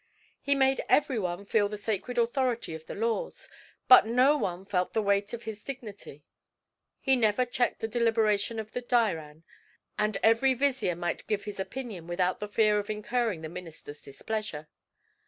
He made everyone feel the sacred authority of the laws, but no one felt the weight of his dignity. He never checked the deliberation of the diran; and every vizier might give his opinion without the fear of incurring the minister's displeasure.